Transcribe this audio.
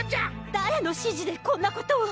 誰の指示でこんなことを？